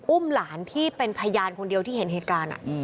หลานที่เป็นพยานคนเดียวที่เห็นเหตุการณ์